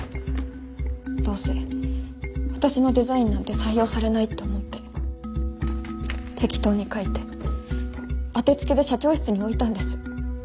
どうせ私のデザインなんて採用されないって思って適当に描いて当てつけで社長室に置いたんです。